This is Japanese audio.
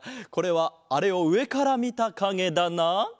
これはあれをうえからみたかげだな？